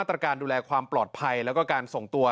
ท่าผ่อบอโตร